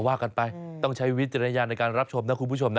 ว่ากันไปต้องใช้วิจารณญาณในการรับชมนะคุณผู้ชมนะ